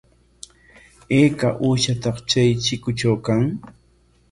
¿Ayka uushataq chay chikutraw kan?